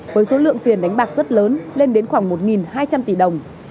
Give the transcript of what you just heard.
với số lượng tiền đánh bạc rất lớn lên đến khoảng một hai trăm linh tỷ đồng